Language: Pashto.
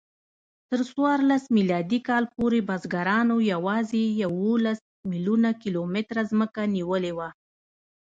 تر څوارلس میلادي کال پورې بزګرانو یواځې یوولس میلیونه کیلومتره ځمکه نیولې وه.